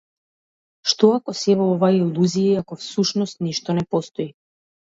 Што ако сево ова е илузија и ако всушност ништо не постои?